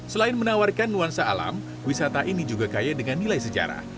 selain menawarkan nuansa alam wisata ini juga kaya dengan nilai sejarah